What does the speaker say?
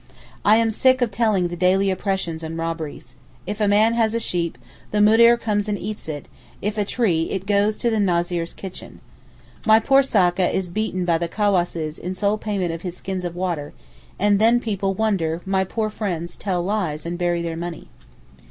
I am sick of telling of the daily oppressions and robberies. If a man has a sheep, the Moodir comes and eats it, if a tree, it goes to the Nazir's kitchen. My poor sakka is beaten by the cawasses in sole payment of his skins of water—and then people wonder my poor friends tell lies and bury their money.